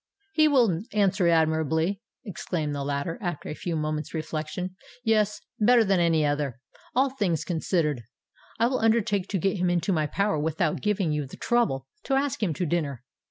"He will answer admirably!" exclaimed the latter, after a few moments' reflection. "Yes—better than any other, all things considered! I will undertake to get him into my power without giving you the trouble to ask him to dinner.